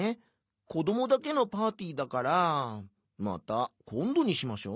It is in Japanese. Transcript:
こどもだけのパーティーだからまたこんどにしましょう」。